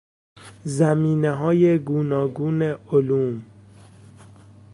زمینه های گوناگون علوم